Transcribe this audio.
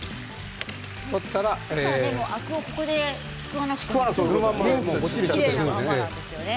アクをここですくわなくていいんですよね。